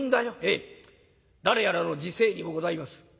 「ええ誰やらの辞世にもございます。